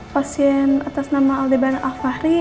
pasien atas nama aldebaran alfari